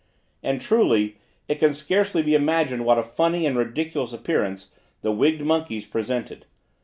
And, truly, it can scarcely be imagined what a funny and ridiculous appearance the wigged monkeys presented!